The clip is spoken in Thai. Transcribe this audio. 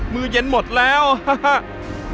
มือเย็นหมดแล้วฮะ